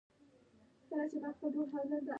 که له اور لګېدنې وروسته زده کوونکي.